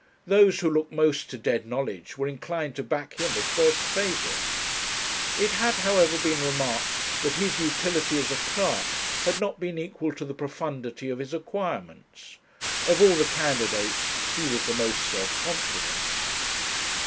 Those who looked most to dead knowledge were inclined to back him as first favourite. It had, however, been remarked, that his utility as a clerk had not been equal to the profundity of his acquirements. Of all the candidates he was the most self confident.